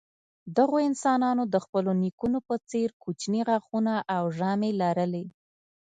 دغو انسانانو د خپلو نیکونو په څېر کوچني غاښونه او ژامې لرلې.